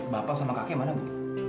bapak sama kakek mana bu